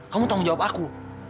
kamu tanggung jawab aku